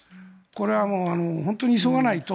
これは本当に急がないと。